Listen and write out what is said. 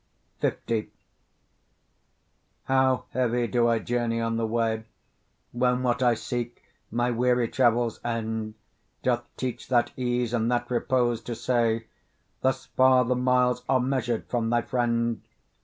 L How heavy do I journey on the way, When what I seek, my weary travel's end, Doth teach that ease and that repose to say, 'Thus far the miles are measured from thy friend!